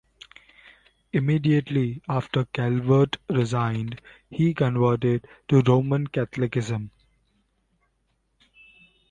Immediately after Calvert resigned, he converted to Roman Catholicism.